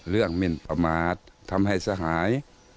เรื่องมิลประมาททำให้สะหาย